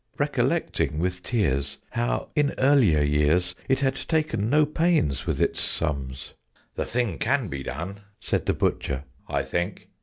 Recollecting with tears how, in earlier years, It had taken no pains with its sums. "The thing can be done," said the Butcher, "I think.